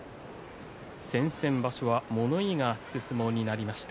先々場所は物言いがつく相撲になりました。